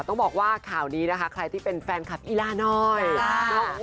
ต้องบอกว่าข่าวนี้นะคะใครที่เป็นแฟนคลับอีล่าน้อย